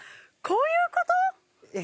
こういうこと？